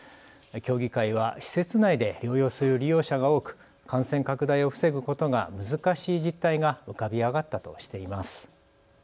協議会は施設内で療養する利用者が多く感染拡大を防ぐことが難しい実態が浮かび上がったとしています。